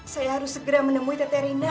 saya harus segera menemui tete rina